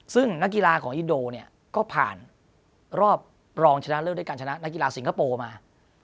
ซึ่งนักกีฬาของอินโดเนี่ยก็ผ่านรอบรองชนะเลิศด้วยการชนะนักกีฬาสิงคโปร์มา